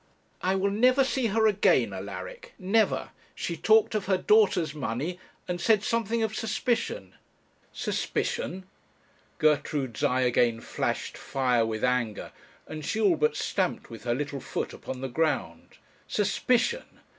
'I will never see her again, Alaric! never; she talked of her daughter's money, and said something of suspicion!' Suspicion! Gertrude's eye again flashed fire with anger; and she all but stamped with her little foot upon the ground. Suspicion!